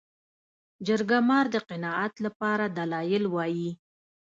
جرګه مار د قناعت لپاره دلایل وايي